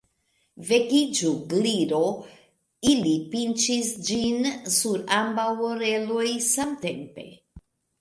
"Vekiĝu, Gliro!" Ili pinĉis ĝin sur ambaŭ oreloj samtempe.